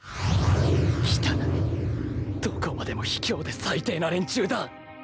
汚いどこまでも卑怯で最低な連中だ。